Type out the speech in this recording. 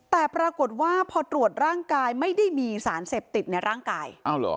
แต่ปรากฏว่าพอตรวจร่างกายไม่ได้มีสารเสพติดในร่างกายอ้าวเหรอ